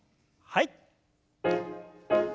はい。